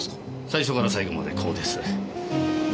最初から最後までこうです。